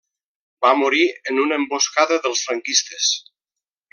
Va morir en una emboscada dels franquistes.